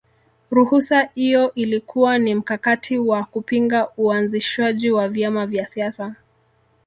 Ruhusa iyo ilikuwa ni mkakati wa kupinga uanzishwaji wa vyama vya siasa